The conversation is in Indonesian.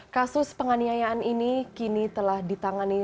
kasus penganiayaan ini kini telah ditangani